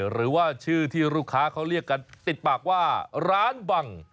หรือว่าชื่อที่ลูกค้าเขาเรียกกันติดปากว่าร้านบัง